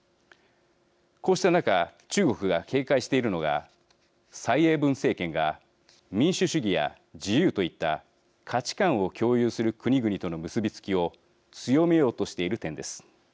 こうした中中国が警戒しているのが蔡英文政権が民主主義や自由といった価値観を共有する国々との結び付きを強めようとしている点です。